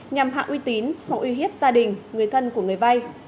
nhằm hạ uy tín hoặc uy hiếp gia đình người thân của người vay